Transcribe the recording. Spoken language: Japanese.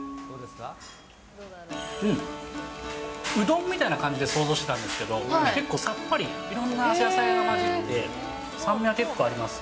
うどんみたいな感じで想像してたんですけど、結構さっぱり、野菜が混じって、酸味が結構あります。